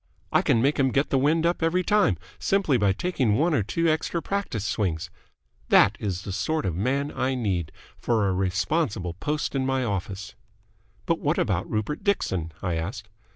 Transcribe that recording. I can make him get the wind up every time, simply by taking one or two extra practice swings! That is the sort of man I need for a responsible post in my office." "But what about Rupert Dixon?" I asked.